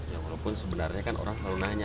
ya walaupun sebenarnya kan orang selalu nanya